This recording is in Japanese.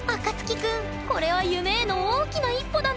君これは夢への大きな一歩だね！